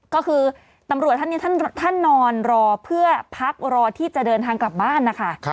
ก็คือตำรวจท่านนี้ท่านนอนรอเพื่อพักรอที่จะเดินทางกลับบ้านนะคะ